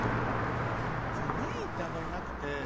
メインってあんまりなくて。